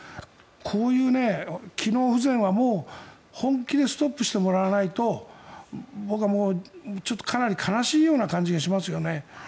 こういう機能不全は、もう本気でストップしてもらわないと僕はもうかなり悲しい感じがしますね。